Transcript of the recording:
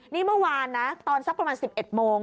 นี่เมื่อวานนะตอนสักประมาณ๑๑โมง